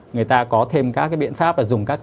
người ta có thêm các cái biện pháp là dùng các